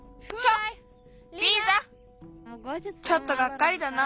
ちょっとがっかりだな。